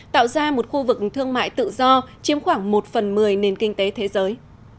tạo ra một khu vực thương mại tự do chiếm khoảng một phần mười nền kinh tế thế giới